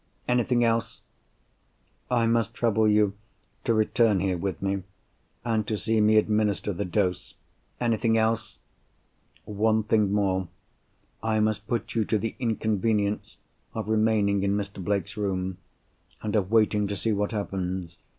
"Anything else?" "I must trouble you to return here with me, and to see me administer the dose." "Anything else?" "One thing more. I must put you to the inconvenience of remaining in Mr. Blake's room, and of waiting to see what happens."